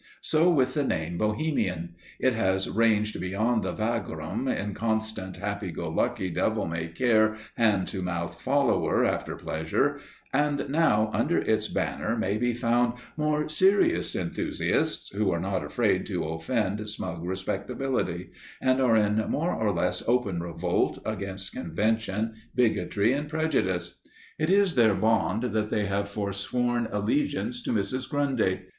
So with the name "Bohemian" it has ranged beyond the vagrom, inconstant, happy go lucky, devil may care, hand to mouth follower after pleasure, and now under its banner may be found more serious enthusiasts who are not afraid to offend smug respectability, and are in more or less open revolt against convention, bigotry and prejudice. It is their bond that they have forsworn allegiance to Mrs. Grundy.